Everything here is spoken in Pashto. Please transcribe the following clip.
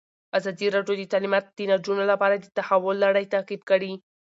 ازادي راډیو د تعلیمات د نجونو لپاره د تحول لړۍ تعقیب کړې.